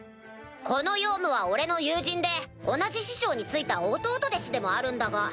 このヨウムは俺の友人で同じ師匠についたおとうと弟子でもあるんだが。